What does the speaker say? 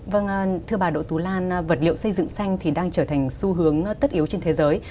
vâng thưa bà đỗ tú lan vật liệu xây dựng xanh thì đang trở thành xu hướng tất yếu trên thế giới